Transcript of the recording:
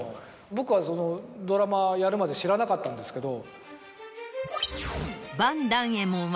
僕はドラマやるまで知らなかったんですけど。